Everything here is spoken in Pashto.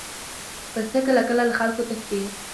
پسه کله کله له خلکو تښتي.